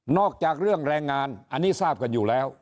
จากเรื่องแรงงานอันนี้ทราบกันอยู่แล้ว